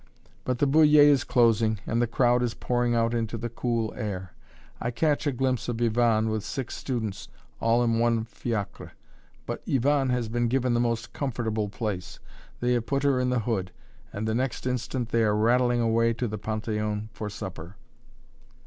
But the "Bullier" is closing and the crowd is pouring out into the cool air. I catch a glimpse of Yvonne with six students all in one fiacre, but Yvonne has been given the most comfortable place. They have put her in the hood, and the next instant they are rattling away to the Panthéon for supper.